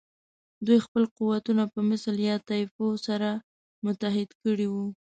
دوی خپل قوتونه په مثل یا طایفو سره متحد کړي وو.